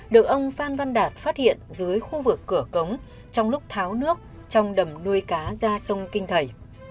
được ông phan văn đạt phát hiện dưới khu vực cửa cống trong lúc tháo nước trong đầm nuôi cá ra sông kinh thầy